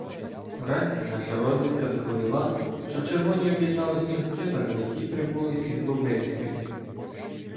Вранці наша розвідка доповіла, що червоні об'єдналися з частинами, які прибули із Бобринської.